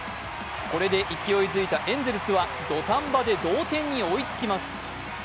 これで勢いづいたエンゼルスは土壇場で同点に追いつきます。